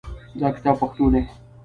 دا کتاب پښتو دی